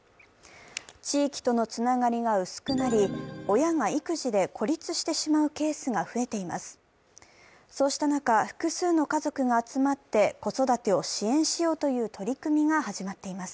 地域とのつながりが薄くなり、親が育児で孤立してしまうケースが増えています。